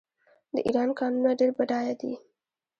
د ایران کانونه ډیر بډایه دي.